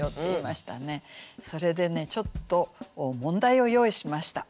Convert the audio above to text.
それでねちょっと問題を用意しました。